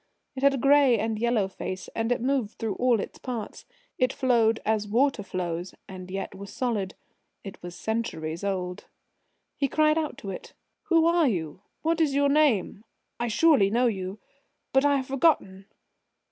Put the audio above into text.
It had a grey and yellow face, and it moved through all its parts. It flowed as water flows, and yet was solid. It was centuries old. He cried out to it. "Who are you? What is your name? I surely know you ... but I have forgotten